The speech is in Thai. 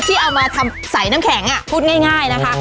ที่เอามาทำใส่น้ำแข็งพูดง่ายนะคะ